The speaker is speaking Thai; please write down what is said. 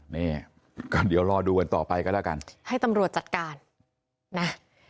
นี่ก็เดี๋ยวรอดูกันต่อไปก็แล้วกันให้ตำรวจจัดการนะ